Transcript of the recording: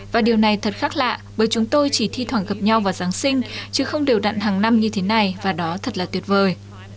và điều này thật khác lạ bởi chúng tôi chỉ thi thoảng gặp nhau vào giáng sinh chứ không đều đặn hàng năm như thế này và đó thật là tuyệt vời